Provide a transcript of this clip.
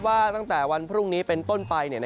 ตั้งแต่วันพรุ่งนี้เป็นต้นไป